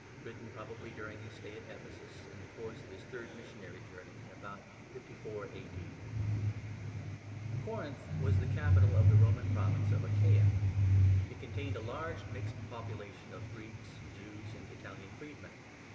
WRITTEN PROBABLY DURING HIS STAY AT EPHESUS, IN THE COURSE OF HIS THIRD MISSIONARY JOURNEY, ABOUT 54 A.D. CORINTH was the capital of the Roman province of Achaia. It contained a large, mixed population of Greeks, Jews, and Italian freedmen.